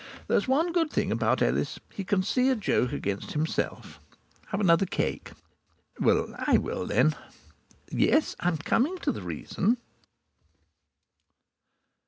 There is one good thing about Ellis he can see a joke against himself.... Have another cake. Well, I will, then.... Yes, I'm coming to the reason.